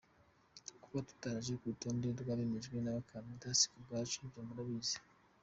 Kuba tutaraje ku rutonde rw’abemejwe nk’abakandida, si ku bwacu ibyo murabizi.